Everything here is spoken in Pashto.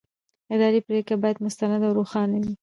اداري پرېکړه باید مستنده او روښانه وي.